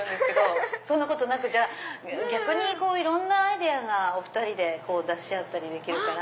え⁉そんなことなく逆にいろんなアイデアがお２人で出し合ったりできるから。